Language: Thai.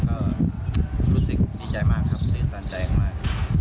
ก็รู้สึกดีใจมากครับตื่นตันใจมาก